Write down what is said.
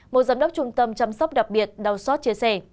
một giám đốc trung tâm chăm sóc đặc biệt đào sót chia sẻ